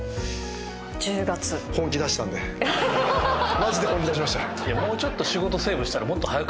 マジで本気出しました。